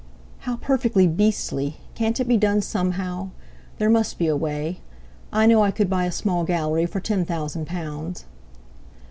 "How perfectly beastly! Can't it be done somehow? There must be a way. I know I could buy a small Gallery for ten thousand pounds."